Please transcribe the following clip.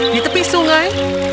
di tepi sungai